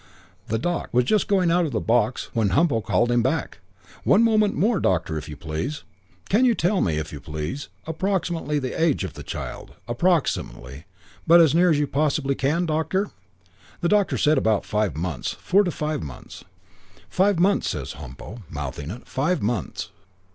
The doc. was just going out of the box when Humpo called him back. 'One moment more, Doctor, if you please. Can you tell me, if you please, approximately the age of the child approximately, but as near as you possibly can, Doctor?' "The doctor said about five months four to five months. "'Five months,' says Humpo, mouthing it. 'Five months.'